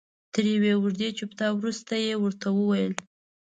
تر یوې اوږدې چوپتیا وروسته یې ورته وویل.